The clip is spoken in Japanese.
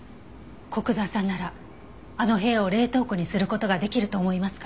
古久沢さんならあの部屋を冷凍庫にする事ができると思いますか？